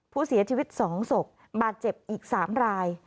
ผู้เสียชีวิต๒ศพบาดเจ็บอีก๓ราย